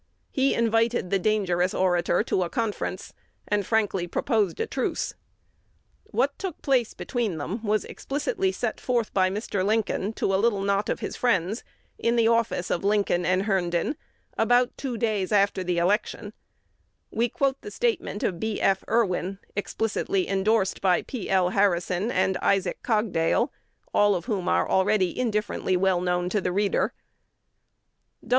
He invited the dangerous orator to a conference, and frankly proposed a truce. What took place between them was explicitly set forth by Mr. Lincoln to a little knot of his friends, in the office of Lincoln & Herndon, about two days after the election. We quote the statement of B. F. Irwin, explicitly indorsed by P. L. Harrison and Isaac Cogdale, all of whom are already indifferently well known to the reader.